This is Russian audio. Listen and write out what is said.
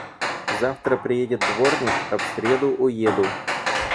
Завтра приедет дворник, а в середу уеду.